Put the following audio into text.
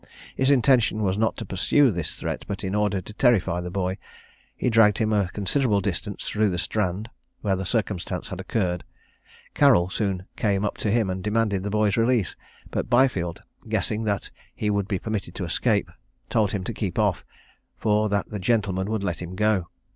His intention was not to pursue this threat, but in order to terrify the boy, he dragged him a considerable distance through the Strand, where the circumstance had occurred. Carrol soon came up to him, and demanded the boy's release; but Byfield guessing that he would be permitted to escape, told him to keep off, for that the gentleman would let him go.